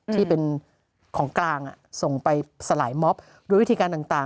ที่เป็นของกลางส่งไปสลายมอบโดยวิธีการต่าง